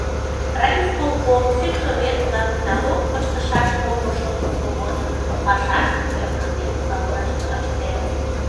Райисполком, сельсовет-влак налог пыштышаш пого шотлымо годым пашаштым ӧрканен ынышт ыште.